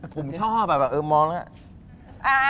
ผมชอบมองแล้ว